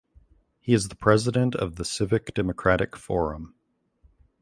He is the president of the Civic Democratic Forum.